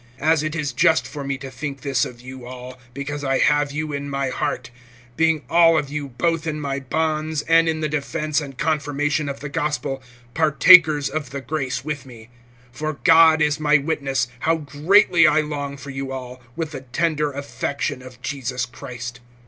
(7)As it is just for me to think this of you all, because I have you in my heart[1:7]; being all of you, both in my bonds, and in the defense and confirmation of the gospel, partakers of the grace with me. (8)For God is my witness, how greatly I long for you all, with the tender affection of Jesus Christ.